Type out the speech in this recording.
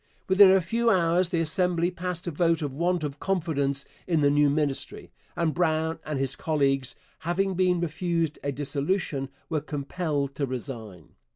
Within a few hours the Assembly passed a vote of want of confidence in the new Ministry, and Brown and his colleagues, having been refused a dissolution, were compelled to resign.